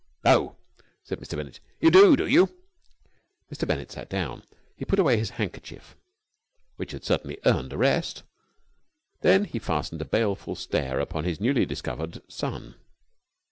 "Oh!" said Mr. Bennett "You do, do you?" Mr. Bennett sat down. He put away his handkerchief, which had certainly earned a rest. Then he fastened a baleful stare upon his newly discovered son.